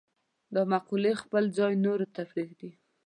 دا مقولې خپل ځای نورو ته پرېږدي.